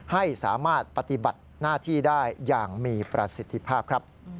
ให้สามารถปฏิบัติหน้าที่ได้อย่างมีประสิทธิภาพครับ